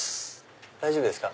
大丈夫ですか？